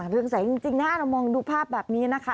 เรื่องใสจริงนะเรามองดูภาพแบบนี้นะคะ